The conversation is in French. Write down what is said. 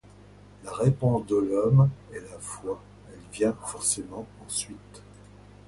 La réponse de l'homme est la Foi, elle vient forcément ensuite.